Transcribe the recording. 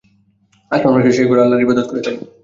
আসমানবাসীরা সেই ঘরে আল্লাহর ইবাদত করে থাকেন।